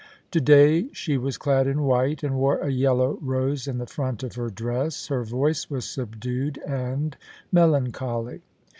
To day she was clad in white, and wore a yellow rose in the front of her dress ; her voice was subdued and melancholy.